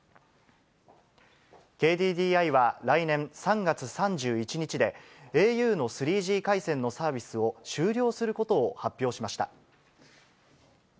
ＫＤＤＩは来年３月３１日で、ａｕの３Ｇ回線のサービスを終了することを発表しました。